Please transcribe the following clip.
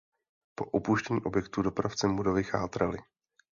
Po opuštění objektu dopravcem budovy chátraly.